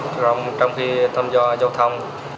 trong khi thăm dò giao thông